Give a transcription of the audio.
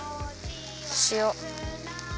しお。